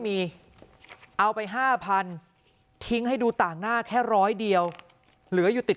มีเอาไป๕๐๐ทิ้งให้ดูต่างหน้าแค่ร้อยเดียวเหลืออยู่ติด